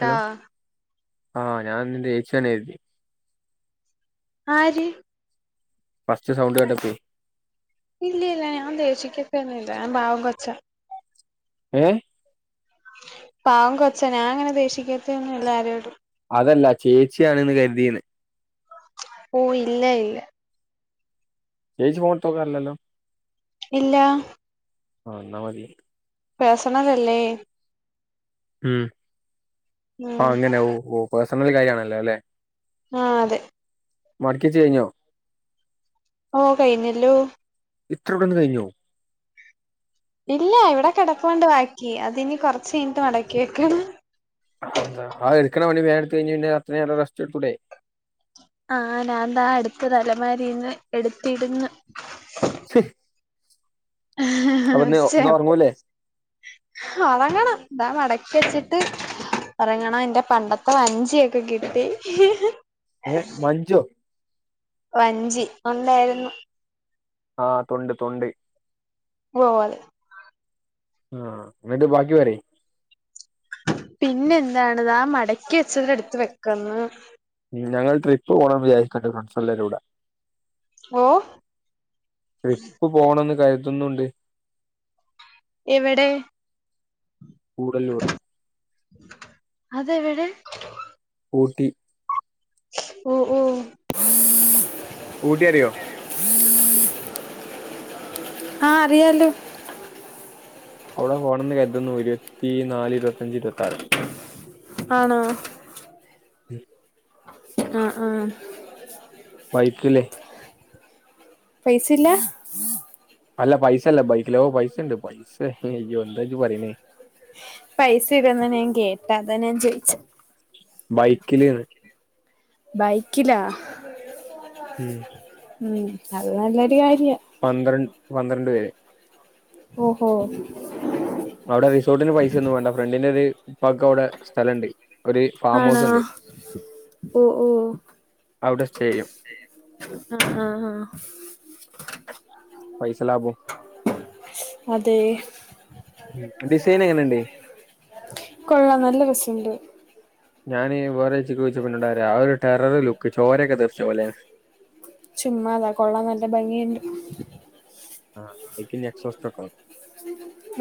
Hello ആഹ് ഞാൻ നിന്റെ യേച്ചി ആണ് കര്തി ആര് ഫസ്റ്റ് സൗണ്ട് കേട്ടപ്പയേ ഇല്ലില്ല ഞാൻ ദേശിക്കത്തൊന്നുല്ല ഞാൻ പാവം കൊച്ച ഏഹ് പാവം കൊച്ചാ ഞാൻ അങ്ങനെ ദേഷിക്കത്തൊന്നും ഇല്ല ആരോടും അതല്ല ചേച്ചിയാണ്ന്ന് കര്തീന്ന് ഓ ഇല്ല ഇല്ല ചേച്ചി ഫോൺ ഇട്ത്തോകാറില്ലല്ലോ ഇല്ല ആ ന്നാ മതി പേഴ്സണലല്ലേ ഉം ഉം അങ്ങനെ ഓ ഓ പേഴ്സണൽ കാര്യാണല്ലോ അല്ലെ ആഹ് അതെ മടക്കിച്ച് കഴിഞ്ഞോ ഓ കഴിഞ്ഞല്ലോ ഇത്ര പെട്ടന്ന് കഴിഞ്ഞോ ഇല്ല ഇവിടെ കിടപ്പൊണ്ട് ബാക്കി അതിനി കൊറച്ചു കഴിഞ്ഞിട്ട് മടക്കി വെക്കണം അതെന്താ ആ എടുക്കണ പണി വേഗം എടുത്ത് കഴിഞ്ഞ് പിന്ന അത്രനേരം റസ്റ്റ് എടുത്തൂടേ ആഹ് ഞാൻ താ അടുത്തത് തലമാരിന്ന് എടുത്തിടുന്ന് അപ്പൊ ഇന്ന് ശ്ശെ ഇന്ന് ഒർങ്ങൂല്ലേ ഒറങ്ങണം ദാ മടക്കി വച്ചിട്ട് ഒറങ്ങണം എന്റെ പണ്ടത്തെ വഞ്ചിയൊക്കെ കിട്ടി ഏ മഞ്ജോ വഞ്ചി ഉണ്ടാരുന്നു ആഹ് തൊണ്ട് തൊണ്ട് ഓഹ് അത ആഹ് എന്നിട്ട് ബാക്കി പറയി പിന്നെ എന്താണ് ദാ മടക്കി വെച്ചത് എടുത്ത് വെക്ക്ന്ന് ഞങ്ള് ട്രിപ്പ് പോണം വിചാരിക്കിണ്ട് ഫ്രണ്ട്സ് എല്ലാരും കൂട ഓ ട്രിപ്പ് പോകണംന്ന് കരുതുന്നുണ്ട് എവിടെ കൂടല്ലൂർ അതെവിടെ ഊട്ടി ഓഹ് ഓഹ് ഊട്ടി അറിയോ ആഹ് അറിയാലോ അവിടെ പോണെന്ന് കരുതുന്നു ഇരുപത്തി നാല് ഇരുപത്തിയഞ്ച് ഇരുപത്തി ആറ് ആണാ ആഹ് ആഹ് ബൈക്കിലേ പൈസല്ലാ അല്ല പൈസല്ല ബൈക്കിലൊ പൈസണ്ട് പൈസ അയ്യോ എന്ത ഇജ്ജ് പറയണേ പൈസ ഇല്ലെന്ന ഞാൻ കേട്ട അത ഞാൻ ചോയിച്ചെ ബൈക്കില്ന്ന് ബൈക്കിലാ ഉം ഉം അത് നല്ലൊരു കാര്യ പന്ത്രണ്ട് പന്ത്രണ്ട് പേര് ഓഹോ അവിടെ റിസോർട്ടിന് പൈസ ഒന്നും വേണ്ട ഫ്രണ്ടിന്റെ ഒരു ഉപ്പാക്ക് അവിടെ സ്ഥലണ്ട് ഒരു ഫാം ആണോ ഹൗസ് ഉണ്ട് ഓഹ് ഓഹ് അവിടെ സ്റ്റേ ചെയ്യും ആഹ് ആഹ് ആഹ് പൈസ ലാഭം അതേ ഡിസൈൻ എങ്ങനെയുണ്ട് കൊള്ളാം നല്ല രസണ്ട് ഞാന് വേറെ [unintelligible] രാവിലെ ഒരു ടെറർ ലുക്ക് ചോരെക്കെ തെറിച്ച പോലെയാണ് ചുമ്മാതാ കൊള്ളാം നല്ല ഭംഗിയുണ്ട് ആഹ് [unintelligible]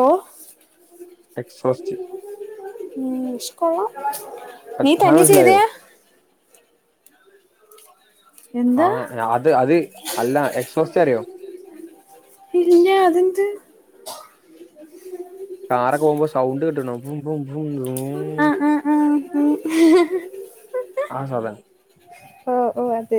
ഓഹ് എക്സോസ്റ്റ് ഉം ക്ഷെ കൊള്ളാം നീ സാധനം തന്നെ മനസ്സിലായോ ചെയ്തെയാ? എന്താ ആഹ് അത് അത് അല്ല എക്സോസ്റ്റ് അറിയോ? പിന്നെ അതെന്ത്? കാറൊക്കെ പോകുമ്പോ സൗണ്ട് കേട്ട്ണോ ബും ബും ബൂംന്ന്. ആഹ് ആഹ് ആഹ് ഉം ആ സാധനം ഓഹ് ഓഹ് അത്.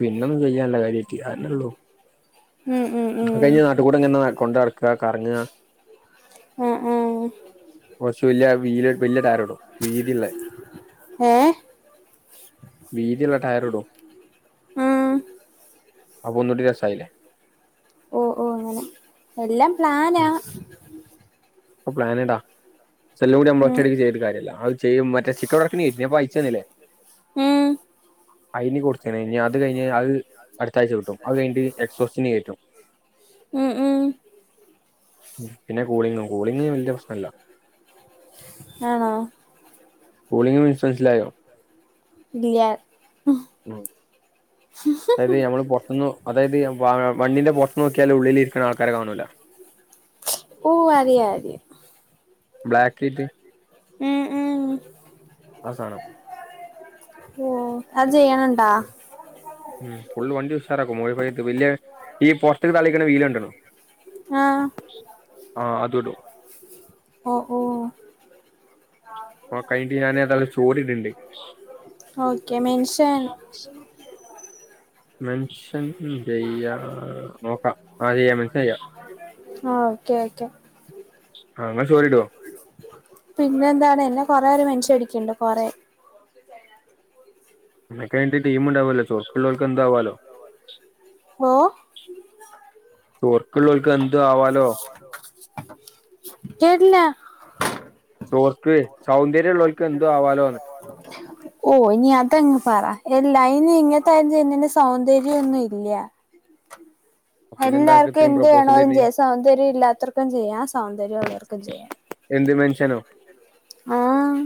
പിന്നൊന്നും ചെയ്യാനില്ല കാര്യായിട്ട് അതന്നെ ഉള്ളൂ. ഉം ഉം അത് ഉം കഴിഞ്ഞ നാട്ടുകൂടെ ഇങ്ങനെ കൊണ്ട് നടക്ക കറങ്ങാ. ആഹ് ആഹ് കൊറച്ച് വല്യ വീല് വല്യ ടയറിടും വീതിള്ളേ. ഏഹ് വീതിയുള്ള ടയറിടും ആഹ് ഒന്നൂടി രസായില്ലേ? ഓഹ് ഓഹ് അങ്ങനെ എല്ലാം പ്ലാനാ. പ്പ പ്ലാനിടാം പക്ഷെ എല്ലം കൂടി ഉം നമ്മളൊറ്റടിക്ക് ചെയ്തിട്ട് കാര്യല്ല. അ ചെയ്യും. മറ്റെ സ്റ്റിക്കർ വർക്കിനെ ഞാൻ ഇപ്പ അയച്ചു തന്നില്ലേ? ഉം. അയിന് കൊടുത്തിനി ഇനി അത് കഴിഞ് അത് അടുത്ത ആഴ്ച കിട്ടും അത് കഴിഞ്ഞിട്ട് എക്സോസ്റ്റന് കേറ്റും. ഉം ഉം പിന്നെ കൂളിങ്ങും കൂളിങ്ങയ്ന് വല്യ പ്രശ്നല്ല. ആണോ? കൂളിങ് മീൻസ്‌ മൻസ്സിലായോ? ഇല്ല്യാ. ഉം അതായത് ഞമ്മള് പൊറത്ത്ന്ന് അതായത് വാ വണ്ടിന്റെ പൊറത്ത് നിന്ന് നോക്കിയാൽ ഉള്ളിൽ ഇരിക്കുന്ന ആൾക്കാരെ കാണൂല്ല. ഓഹ് അറിയ അറിയാ. ബ്ലാക്കിറ്റ് ഉം ഉം ആ സാനം. ഓഹ് അത് ചെയ്യണുണ്ടാ? ഉം ഫുൾ വണ്ടി ഉഷാറാക്കും മോളികൂടിട്ട് വല്യ ഈ പൊർത്തക്ക് തള്ളിക്കണ വീല് കണ്ട്ണോ? ആഹ് ആഹ് അതിടും. ഓഹ് ഓഹ് പ്പ കഴിഞ്ഞട്ട് ഞാനേത ഒരു സ്റ്റോറിടുണ്ട്. Okay mention. മെൻഷൻ ഉം ചെയ്യാ നോക്കാം ആഹ് ചെയ്യാൻ മെൻഷൻ ചെയ്യാം. ആഹ് ഓക്കെ ഓക്കെ. ആഹ് ഇങ്ങള് സ്റ്റോറിടോ? പിന്നെ എന്താണ് എന്നെ കൊറേര് മെൻഷൻ അടിക്കിണ്ട് കൊറേ. നിനക്ക് നിന്റെ ടീമിണ്ടാവുല്ലോ ചോർക്കുള്ളവർക്ക് എന്താവാലോ? ഓഹ് ചോർക്കുള്ളവൾക്ക് എന്തു ആവാലോ? കേട്ടില്ല. ചോർക്ക് സൗന്ദര്യം ഉള്ളവൾക്ക് എന്തു ആവാലോന്ന്. ഓഹ് ഇനി അതങ്ങ് പറ എ ലൈനി ഇങ്ങത്ത കാര്യം ചെയുന്നതിന്റെ സൗന്ദര്യം ഒന്നുംല്ല്യാ. പിന്നെന്താ അനക്ക് എല്ലാർക്കും ഇത്രയും എന്ത് പ്രൊപ്പോസൽ വേണോലും വരുന്നേ ചെയ്യാം സൗന്ദര്യം ഇല്ലാത്തവർക്കും ചെയ്യാം സൗന്ദര്യം ഉള്ളവർക്കും ചെയ്യാം. എന്ത് മെൻഷനോ ആഹ്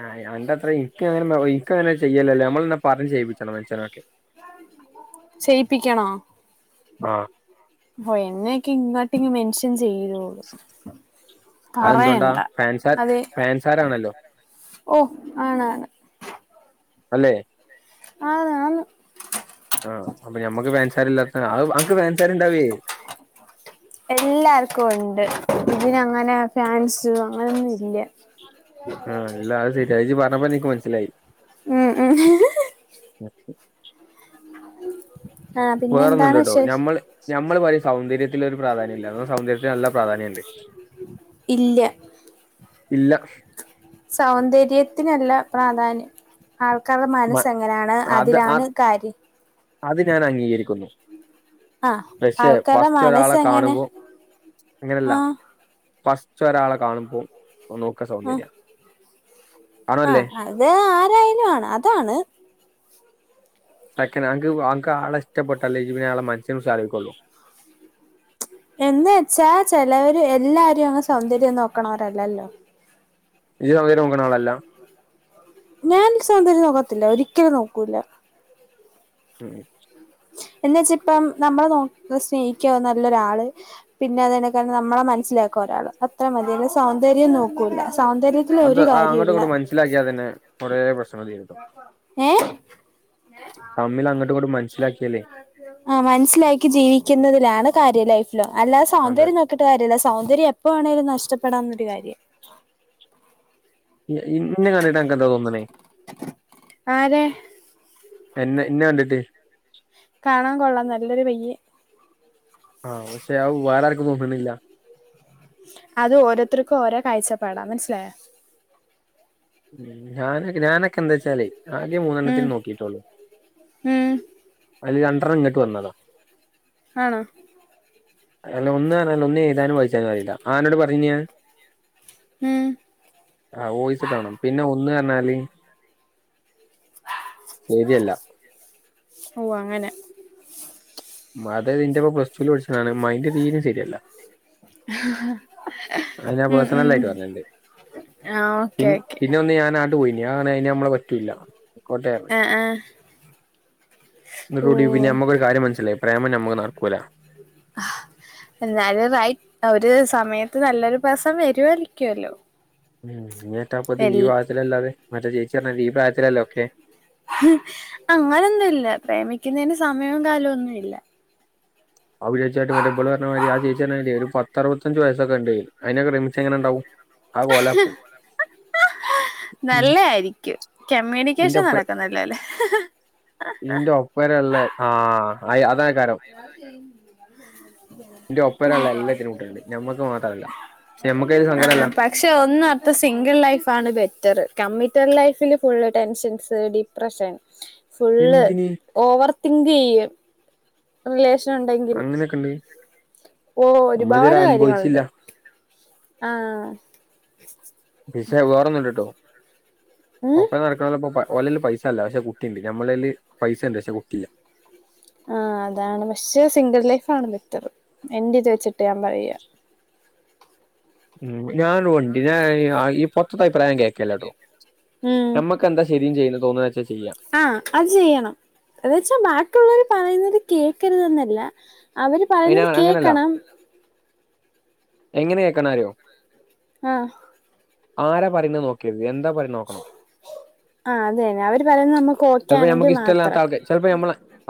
ആ് യി അന്റെ അത്ര ഇൻക്കങ്ങനെ [unintelligible] ഇൻക്കങ്ങനെ ചെയ്യല്ലല്ലാ നമ്മള് ന്നാ പറീം ചെയ്യിപ്പിച്ചണം മനുഷ്യരൊക്കെ ചെയ്യിപ്പിക്കണോ ആഹ് വൊയ് എന്നെയക്കെ ഇങ്ങോട്ട് ഇങ്ങ് മെൻഷൻ ചെയ്തൂളു അതെന്തുകൊണ്ടാ പറയണ്ട ഫാൻസാർ അതെ ഫാൻസാരാണല്ലോ ഓഹ് ആണ് ആണ് അല്ലെ ആന്ന് ആന്ന് ആഹ് അപ്പൊ ഞമ്മക്ക് ഫാൻസാരില്ലാത്താണ് അഅ് അൻക്ക് ഫാൻസാര് ഇണ്ടാവേ എല്ലാർക്കും ഇണ്ട് ഇതിന അങ്ങനെ ഫാൻസ് അങ്ങനാെന്നും ഇല്ല ആഹ് ഇല്ല അത് ശെരിയാ ജ് പറഞ്ഞപ്പന്നെ ഇൻക്ക് മനസ്സിലായി ഉം ഉം ആഹ് പിന്നെ എന്താണ് വിശേഷ് ക്ഷെ ഞമ്മള് പറിം സൗന്ദര്യത്തില് ഒരു പ്രാധാന്യം ഇല്ലാന്ന് ന്നാസൗന്ദര്യത്തിന് നല്ല പ്രാധാന്യണ്ട് ഇല്ല ഇല്ല സൗന്ദര്യത്തിനല്ല പ്രാധാന്യം ആൾക്കാർടെ മനസ്സ് മ- എങ്ങനാണ് അത് അതിലാണ് അത് കാര്യം അത് ഞാന് അംഗീകരിക്കുന്നു ആഹ് പക്ഷെ ആൾക്കാരുടെ ഫസ്റ്റ് മനസ്സ് ഒരാളെ എങ്ങനെ കാണുമ്പോ അങ്ങനെല്ല ആഹ് ഫസ്റ്റ് ഒരാളെ കാണുമ്പോ ഓൻനോക്കാ സൗന്ദര്യാ ആഹ് അത് ആരായാലും ആണ് അതാണ് സെക്കനാങ്ക് വാങ്ക് ആളെ ഇഷ്ട്ടപെട്ടാല്ലേ ഇയ്യ്‌ പിന്നെ ആളെ മനസ്സിനെ കുറിച്ച് ആലോയ്ക്കൊള്ളൂ എന്ന് എച്ചാ ചെലവര് എല്ലാരും അങ് സൗന്ദര്യം നോക്ക്ണോരല്ലല്ലോ ഇയ്യ് സൗന്ദര്യം നോക്ക്ണാളല്ലാ ഞാൻ സൗന്ദര്യം നോക്കത്തില്ല ഒരിക്കലും നോക്കൂല്ല ഉം എന്നെച്ചാ ഇപ്പം നമ്മള നോക്ക് സ്നേഹിക്ക നല്ലൊരാള് പിന്നെ അതിനെക്കാട്ടും നമ്മളെ മനസ്സിലാക്കാൻ ഒരാള് അത്ര മതി അല്ലാതെസൗന്ദര്യം നോക്കൂല സൗന്ദര്യത്തി അത് ആഹ് അങ്ങട്ടും ഇങ്ങട്ടും മനസ്സിലാക്ക്യാ തന്നെ കുറേ പ്രശ്നം തീരും ട്ടോ ഏഹ് തമ്മില് അങ്ങട്ടു ഇങ്ങട്ടും മൻ ആഹ് മനസ്സിലാക്കി ജീവിക്കുന്നതിലാണ് കാര്യം ലൈഫിലോം അല്ലാതെ അതെ സൗന്ദര്യം നോക്ക് ക്കീട്ട് കാര്യല്ല സൗന്ദര്യം എപ്പ വേണേലും നഷ്ടപ്പെടാവുന്ന ഒരു കാര്യാ ഇ ഇന്നെ കണ്ടിട്ട് അൻകെന്താ തോന്ന്ണേ ആരെ എന്നെ ഇന്നെ കണ്ടിട്ട് കാണാം കൊള്ളാവുന്ന നല്ലൊരു പയ്യെൻ ആഹ് പക്ഷെ അഅു വാറാർക്കും തോന്ന്ണില്ല അത് ഓരോത്തർക്കും ഓരോ കാഴ്ചപ്പാടാ മനസ്സിലായോ ഉം ഞാനക്കെ ഞാനെക്കെന്താച്ചാലേ ആകെ ഉം മൂന്നെണ്ണത്തിനെ നോക്കീട്ടൊള്ളു ഉം അയ്ൽ രണ്ടെർണ്ണം ഇങ്ങട്ട് വന്നതാ ആണോ അയ്‌ല് ഒന്ന്ർഞ്ഞാല് ഒന്ന് എഴ്താനും വായ്ച്ചാനും അറീല്ല ആന്നോട് പറഞ്ഞീനോ ഞാൻ ഉം [inaudible] ആഹ് ഓയ്സിട്ടാണോ പിന്നെ ഒന്ന് അർഞ്ഞാല് സെര്യല്ല ഔ അങ്ങനെ മത നിന്റപ്പം പ്ലസ് ടൂല് പഠിച്ചാണ് മൈൻഡ് തീരെ ശെരിയല്ല അത് ഞാൻ ഉം ഉം പേഴ്സണലായിട്ട് പറഞ്ഞിണ്ട് ആഹ് പി ഓക്കെ ഓക്കെ പിന്നെ ഒന്ന് ഞാനാട്ട്പോയിനെ ആആണെ അയ്ന് നമ്മളെ പറ്റുല്ല അയ്കോട്ടെർഞ്ഞ് ആ ആ [inaudible] ന്ന്ട്ട് ഓ കൂടി പിന്നെ നമ്മക്കൊരു കാര്യം മനസ്സിലായി പ്രേമം നമ്മെക് നടക്കൂല എന്നാലും റൈറ്റ് ഒരു സമയത്ത് നല്ലൊരു പേസൺ വെരുവാരിക്ക്യെല്ലോ ഉം ഇങ്ങേട്ടാപ്പത് ഈ ഭാഗത്തിലല്ലാതെ. മറ്റേ ചേച്ചി പറഞ്ഞലോ ഈ പ്രായത്തിലല്ലേ ഒക്കെ. ഹ് അങ്ങനൊന്നും ല്ല. പ്രേമിക്കുന്നേന് സമയവും കാലൊന്നില്ല. അവൻ വിചാരിച്ചട്ട മെറ്റേ ഇവള് ർഞ്ഞമാതിരി ആ ചേച്ചി പർഞാതിരി പത്തറുപത്തഞ്ച് വയസ്സൊക്കെണ്ട് അതിനെക്കെ പ്രേമിച്ചങ്ങനെ ണ്ടാവും. ഓല പോയ് ആഹ് നല്ല ആയിരിക്കും. ഇന്റെ കമ്മ്യൂണിക്കേഷൻ ഒപ്പര നടക്കുന്നല്ലോ ല്ലേ. ആഹ് ആഹ് വെരല്ലേ. ആ അയ അതാ കാരം. [unintelligible] ന്റൊപ്പരം ള്ളെ എല്ലത്തിനും കുട്ടിയാള്ണ്ട്. നമ്മക്ക് മാത്രല്ല. പക്ഷേ നമ്മക്കതിന് ആ സങ്കടേല്ല. പക്ഷെ ഒന്ന് ഓർത്താൽ സിംഗിൾ ലൈഫാണ് ബെറ്ററ്. കമ്മിറ്റേഡ് ലൈഫില് ഫുള്ള് ടെൻഷൻസ്, ഡിപ്രഷൻ. [unintelligible] ഫുള്ള് എന്തിന് ഓവർ തിങ്ക് യ്യും റിലേഷനൊണ്ടെങ്കിൽ അങ്ങനെയൊക്കെണ്ട് ഓ നമ്മളിതുവരെ ഒരുപാട് കാര്യങ്ങളൊണ്ട്. അനുഭവിച്ചില്ല ആഹ് വിഷേം വേറൊന്ന്ണ്ട്ടൊ. ഉം ഒപ്പരം നടക്ക് ഓലല് പൈസല്ല. പക്ഷെ കുട്ടിണ്ട്. നമ്മളേല് പൈസ ണ്ട് പക്ഷെ കുട്ടില്ല. ആ അതാണ്. പക്ഷെ സിംഗിൾ ലൈഫാണ് ബെറ്ററ്. എന്റിത് വെച്ചിട്ട് ഞാൻ പറയ. ഉം ഞാൻ വണ്ടിടെ ഞാ ഹേ ആ ഈ പൊത്തത് അഭിപ്രായം കേൾക്കേലട്ടോ. ഉം ഞമ്മക്കെന്താ ശേരീന്ന് ചെയ്യ്ണ തോന്ന്ണാച്ചേ ചെയ്യാ. ആ അത് ചെയ്യണം. എന്ന വെച്ചാ ബാക്കിള്ളോര് പറയുന്നത് കേൾക്കരുതെന്നല്ല. അവെര് അയിന് പറയുന്നത് അങ്ങനല്ല കേക്കണം. എങ്ങനെ കേക്കണാര്യോ ആഹ് ആരാ പറയ്ന്നേ നോക്കര്ത്. എന്താ പറയുന്നേ നോക്കണം? ആ അതെന്നേ അവെര് പറയ്ന്നത് നമ്മെക്ക് ഓക്കെയാണെങ്കിൽ മാത്രം.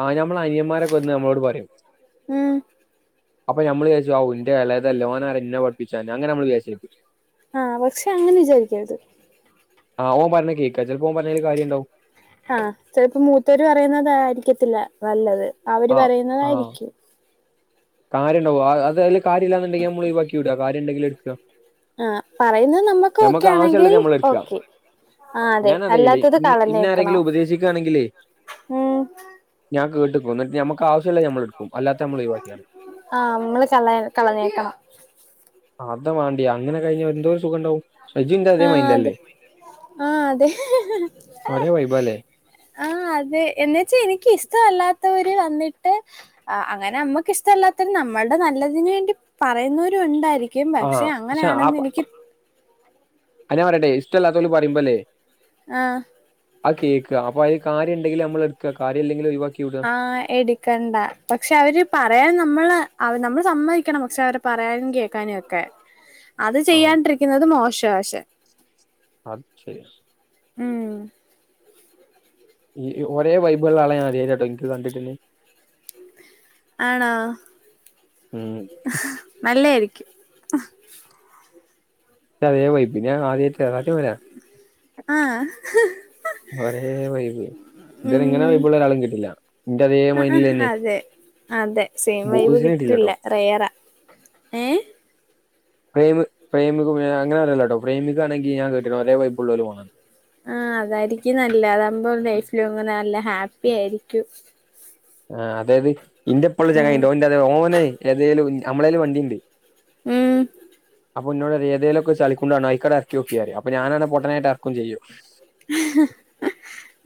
ആ ഞമ്മളനിയമാരൊക്കെ വന്ന് അമ്മളോട് പറയും. ഉം അപ്പം ഞമ്മെള് വിചാരിച്ചും ഔ ഇന്റെളേതല്ലേ ഓനാരാ ഇന്നെ പഠിപ്പിച്ചാല്, അങ്ങെനെ മ്മെള് വിചാരിച്ചെര്ത്. ആഹ് പക്ഷെ അങ്ങനെ വിചാരിക്കരുത് ആഹ് ഓൻ പറഞ്ഞത് കേൾക്കാ ചിലപ്പോ ഓൻ പറഞ്ഞേല് കാര്യണ്ടാവും ആഹ് ചിലപ്പോ മൂത്തര് പറയുന്നതായിരിക്കത്തില്ല നല്ലത് അവര് ആഹ് ആഹ് പറയുന്നതായിരിക്കും കാര്യണ്ടാവും അ അതില് കാര്യല്ലാന്നുണ്ടെങ്കിൽ മ്മള് ഒഴിവാക്കി വിട കാര്യണ്ടെങ്കിൽ എട്ക്ക ആഹ് പറയുന്നത് നമ്മക്ക് ഓക്കെ ആണെങ്കിൽ നമ്മള് എടുക്കുക ഓക്കെ ആഹ് അതെ ഞാനറിയില്ലേ അല്ലാത്തത് ഇന്ന ഇന്നെ കളഞ്ഞേക്കണം ആരെങ്കിലും ഉം ഞാ കേട്ടുക്കും ന്നിട്ട് നമുക്ക് ആവശ്യള്ളത് ഞമ്മള് ട്ക്കും ആഹ് മ്മള് കള കളഞ്ഞേക്കണം അതാ വേണ്ടിയ അങ്ങനെ കഴിഞ്ഞാ എന്തോരു സുഖം ണ്ടാവും ആഹ് തെ ആഹ് തെ ആഹ് ഹ് ഹ് ഒരേ വൈബല്ലേ ആഹ് അതെ എന്നേച്ച് എനിക്ക് ഇഷ്ടമല്ലാത്തവര് വന്നിട്ട് ആഹ് അങ്ങനെ അമ്മക്ക് ഇഷ്ടമല്ലാത്തരു നമ്മളുടെ നല്ലതിന് വേണ്ടി പറയുന്നവരുംണ്ടായിരിക്കും ക്യും പക്ഷെ അങ്ങനെയാണെന്ന് എനിക്ക് അത് ഞാൻ പറട്ടെ ഇഷ്ടല്ലാത്തോര് പറയുമ്പോല്ലേ ആഹ് ആ കേക്ക അപ്പൊ അയിൽ കാര്യംണ്ടെങ്കില നമ്മൾ എടുക്ക കാര്യല്ലെങ്കില ഒഴിവാക്കി വിട ആഹ് എട്ക്കണ്ട പക്ഷെ അവര് പറയാൻ നമ്മള് അവ് നമ്മള് സമ്മതിക്കണം പക്ഷെ അവരെ പറയാനും കേൾക്കാനു ഒക്കെ [unintelligible] അത് ചെയ്യാണ്ടിരിക്കുന്നത് മോശ ശേ ആഹ് ശരി ഉം ഈ ഒരേ വൈബ്ള്ള ആളെ ഞാനാദ്യായിട്ടാട്ടോ ഇൻക്ക് കണ്ട്ട്ട്ണെ ആണോ ഉം നല്ലായിരിക്കും ഇന്റെ അതെ വൈബ് ഞാനാദ്യായിട്ടാ അടിപൊളിയാ ആഹ് ഒരേ വൈബ് ഇതുവരെ ഇങ്ങനെ ഉം വൈബ്ള്ള ഒരാളീം കിട്ടില്ല ഇന്റ അതേ ആ ആ മൈൻഡിലെന്നെ അതെ അതെ സെം വൈബ് കിട്ടില്ല റേയെറാ ഏഹ് പ്രേമ പ്രേമിക്കുമ്പോ ഞാനങ്ങനെ പറയല്ലട്ടോ പ്രേമികാണെങ്കി ഞാൻ കേട്ട്ണ് ഒരേ വൈബുള്ളോര് മാണം ആഹ് അതായിരിക്കും നല്ലത് അതാവുമ്പോ ലൈഫ് ലോങ്ങ്‌ നല്ല ഹാപ്പി ആയിരിക്കും ആഹ് അതായത് ഇന്റെപ്പള്ളൊരു ഉം ചെങ്ങായിണ്ട് ഓൻന്റെ അതെ ഓനെ ഏതേലും നമ്മളേല് വണ്ടിണ്ട് ഉം അപ്പൊ ഓൻ ഇന്നോട് പറിം ഏതെലൊക്കെ ചളികുണ്ടാണും അയ്ക്കാട്ട് എറക്കിയോക്ക് പറിം അപ്പൊ ഞാനാണെ പൊട്ടനായിട്ട് എറക്കും ചെയ്യും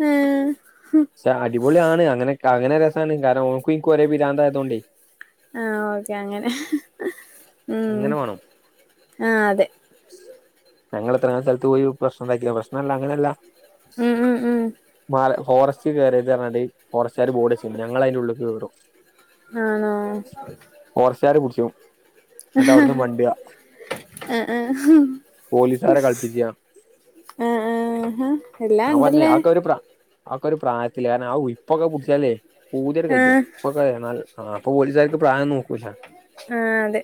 ഏഹ് പക്ഷെ അടിപൊളിയാണ് അങ്ങനെ അങ്ങനെ രെസാണ് കാരണം ഓന്ക്കും ഇക്കും ഒരേ പിരാന്തായതോണ്ടെ ആഹ് ഓക്കെ അങ്ങനെ ഉം അങ്ങനെ വേണം ആഹ് അതെ ഞങ്ങള് എത്രങ്ങാനും സ്ഥൽത്ത് പോയി പ്രശനെണ്ടാക്കിണ് പ്രശ്നെല്ല അങ്ങനെല്ല ഉം ഉം ഉം മല ഫോറസ്റ്റ്ക്ക് കേറര്തെർഞാണ്ട് ഫോറെസ്റ്റാര് ബോഡെച്ചീന് ഞങ്ങളയിന്റെ ഉള്ള്ക്ക് കേറും ആണോ ഫോറെസ്റ്റാര് പുട്ച്ചും ആഹ് ആഹ് ആഹ് പോലീസുകാരെ കളിപ്പിച്ച് ആഹ് ആഹ് എല്ലാണ്ടല്ലേ? ഒക്കൊരു പ്രായത്തിലെ ഔ ഇപ്പൊക്കെ പുടിച്ചാലെ പൂതിയാണ്ട് ആ കജ്ജും ഇപ്പൊക്കെ നല്ല ആഹ് അപ്പൊ പോലീസാർക്ക് പ്രായൊന്നും നോക്കൂല ആഹ് അതെ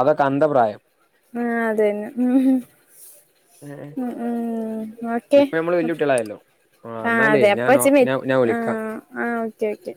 അതൊക്കന്ത പ്രായം ആഹ അതന്നെ ഉ ഏ ഉ ന്നാ ഓ ക്കെ ഇപ്പൊ നമ്മള് വല്യ കുട്ടികളായല്ലോ ആ ആഹാ എന്നാലേ അതെ ഞാനോ അപ്പാച്ചി ഞാൻ ഞാൻ വിളിക്കാം ആഹ് ആഹാ ഓക്കെ ഓക്കെ.